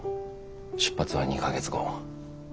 出発は２か月後。